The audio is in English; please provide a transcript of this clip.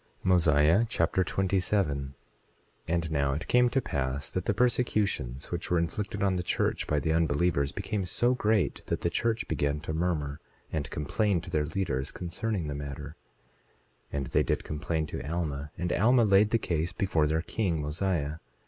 Mosiah Chapter 27 27:1 And now it came to pass that the persecutions which were inflicted on the church by the unbelievers became so great that the church began to murmur, and complain to their leaders concerning the matter; and they did complain to Alma. And Alma laid the case before their king, Mosiah.